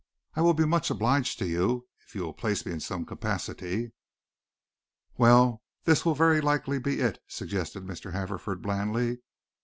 I will be much obliged if you will place me in some capacity." "Well, this will very likely be it," suggested Mr. Haverford blandly.